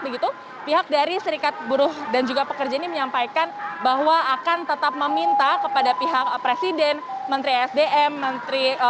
begitu pihak dari serikat buruh dan juga pekerja ini menyampaikan bahwa akan tetap meminta kepada pihak presiden menteri sdm menteri